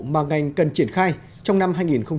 mà ngành cần triển khai trong năm hai nghìn một mươi bảy